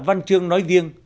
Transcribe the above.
văn chương nói riêng